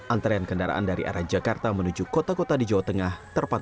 antrean kendaraan dari arah jakarta menuju kota kota di jawa tengah